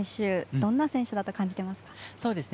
どんな選手だと感じてますか？